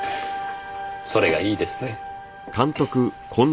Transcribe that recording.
それがいいですね。